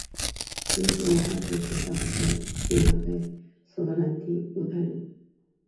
伊斯兰文化和哲学也大幅影响在伊斯兰世界的犹太人。